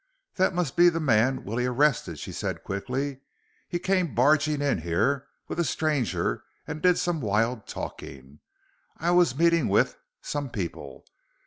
"That must be the man Willie arrested," she said quickly. "He came barging in here with a stranger and did some wild talking. I was meeting with ... some people.